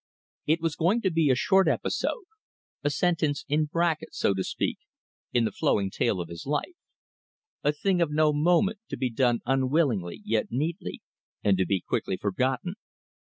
It was going to be a short episode a sentence in brackets, so to speak in the flowing tale of his life: a thing of no moment, to be done unwillingly, yet neatly, and to be quickly forgotten.